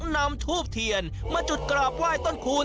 นำทูบเทียนมาจุดกราบไหว้ต้นคูณ